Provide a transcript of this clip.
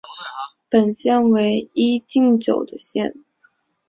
本县为一禁酒的县。